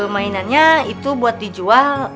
mainannya itu buat dijual